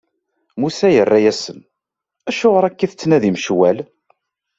Musa yerra-asen: Acuɣer akka i tettnadim ccwal?